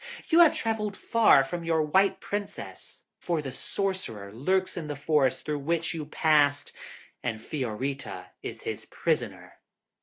You have travelled far from your White Princess, for the Sorcerer lurks in the forest through which you passed, and Fiorita is his prisoner.